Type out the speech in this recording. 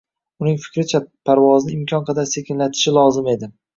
uning fikricha, parvozni imkon qadar sekinlatishi lozim edi.